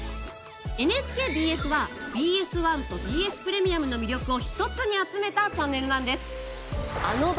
ＮＨＫＢＳはＢＳ１とＢＳプレミアムの魅力を一つに集めたチャンネルなんです。